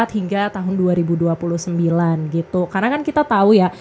hingga tahun dua ribu dua puluh sembilan gitu karena kan kita tahu ya